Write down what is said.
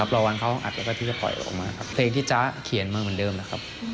รอวันเขาอัดแล้วก็ที่จะปล่อยออกมาครับเพลงที่จ๊ะเขียนมาเหมือนเดิมนะครับ